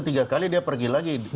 tiga kali dia pergi lagi